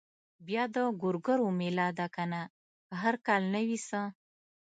بيا د ګورګورو مېله ده کنه هر کال نه وي څه.